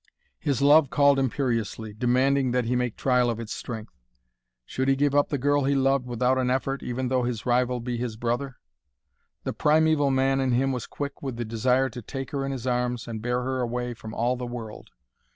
His love called imperiously, demanding that he make trial of its strength. Should he give up the girl he loved without an effort, even though his rival be his brother? The primeval man in him was quick with the desire to take her in his arms and bear her away from all the world.